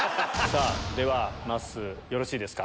ではまっすーよろしいですか。